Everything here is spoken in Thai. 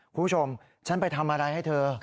คุณผู้ชมฉันไปทำอะไรให้เธอ